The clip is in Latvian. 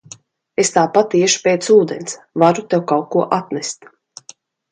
Es tāpat iešu pēc ūdens, varu tev kaut ko atnest.